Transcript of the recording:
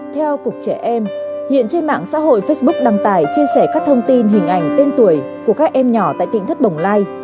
theo cục trẻ em hiện trên mạng xã hội facebook đăng tải chia sẻ các thông tin hình ảnh tên tuổi của các em nhỏ tại tỉnh thất bồng lai